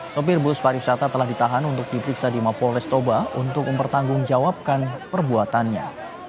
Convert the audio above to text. sopir bus pariwisata telah ditahan untuk diperiksa di mapol restoba untuk mempertanggungjawabkan perbuatannya